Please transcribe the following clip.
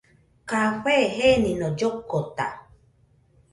Café jenino llokota